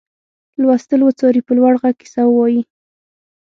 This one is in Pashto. لوستل وڅاري په لوړ غږ کیسه ووايي.